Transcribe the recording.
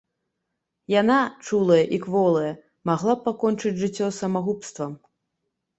Яна, чулая і кволая, магла б пакончыць жыццё самагубствам.